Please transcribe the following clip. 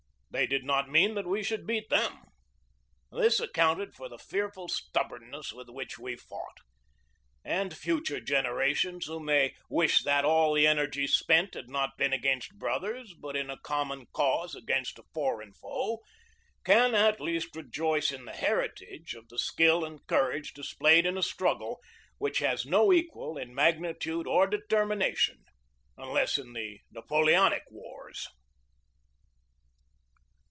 They did not mean that we should beat them. This ac counted for the fearful stubbornness with which we fought; and future generations, who may wish that all the energy spent had not been against brothers but in a common cause against a foreign foe, can at least rejoice in the heritage of the skill and courage displayed in a struggle which has no equal in magni tude or determination, unless in the Napoleonic wars.